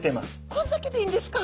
これだけでいいんですか？